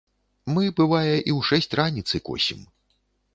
Мы, бывае, і ў шэсць раніцы косім.